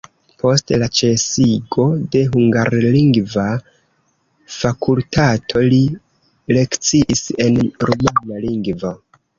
Post la ĉesigo de hungarlingva fakultato li lekciis en rumana lingvo.